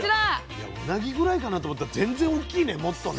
いやうなぎぐらいかなと思ったら全然大きいねもっとね。